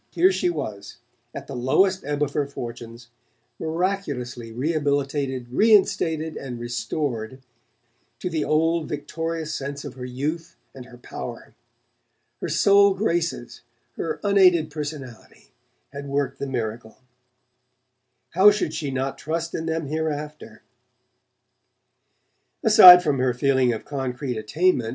Here she was, at the lowest ebb of her fortunes, miraculously rehabilitated, reinstated, and restored to the old victorious sense of her youth and her power! Her sole graces, her unaided personality, had worked the miracle; how should she not trust in them hereafter? Aside from her feeling of concrete attainment.